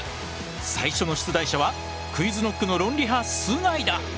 最初の出題者はＱｕｉｚＫｎｏｃｋの論理派須貝だ。